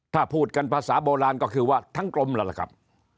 ถ้าพูดกันภาษาโบราณก็คือว่าทั้งกลมแล้วล่ะครับ